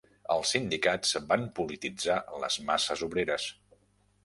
Els sindicats van polititzar les masses obreres.